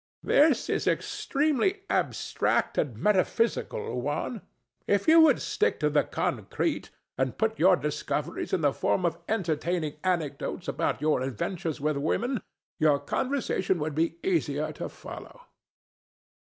This is extremely abstract and metaphysical, Juan. If you would stick to the concrete, and put your discoveries in the form of entertaining anecdotes about your adventures with women, your conversation would be easier to follow.